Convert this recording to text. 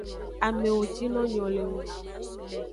Amewo jino nyo le ngu.